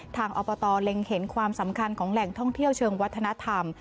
อบตเล็งเห็นความสำคัญของแหล่งท่องเที่ยวเชิงวัฒนธรรม